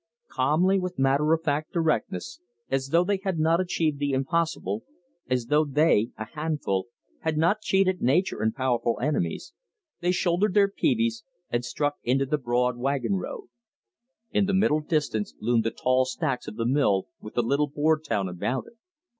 Calmly, with matter of fact directness, as though they had not achieved the impossible; as though they, a handful, had not cheated nature and powerful enemies, they shouldered their peaveys and struck into the broad wagon road. In the middle distance loomed the tall stacks of the mill with the little board town about it.